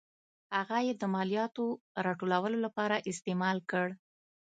هغه یې د مالیاتو راټولولو لپاره استعمال کړ.